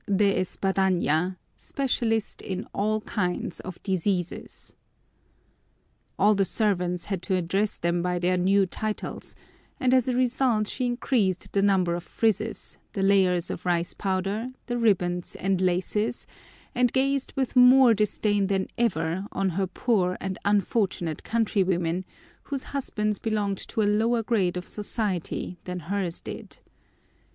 DE ESPADAÑA, SPECIALIST IN ALL KINDS OF DISEASES. All the servants had to address them by their new titles, and as a result she increased the number of frizzes, the layers of rice powder, the ribbons and laces, and gazed with more disdain than ever on her poor and unfortunate countrywomen whose husbands belonged to a lower grade of society than hers did.